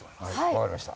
わかりました。